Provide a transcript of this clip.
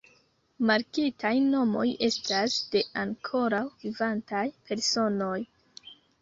Markitaj nomoj estas de ankoraŭ vivantaj personoj.